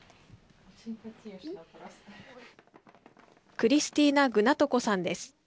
クリスティーナ・グナトコさんです。